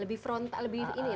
lebih front lebih ini ya